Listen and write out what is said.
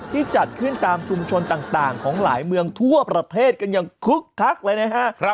จัดขึ้นตามชุมชนต่างของหลายเมืองทั่วประเทศกันอย่างคึกคักเลยนะฮะ